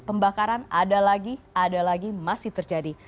pembakaran ada lagi ada lagi masih terjadi